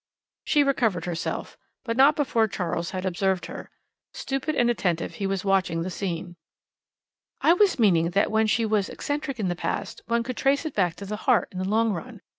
She recovered herself, but not before Charles had observed her. Stupid and attentive, he was watching the scene. "I was meaning that when she was eccentric in the past, one could trace it back to the heart in the long run.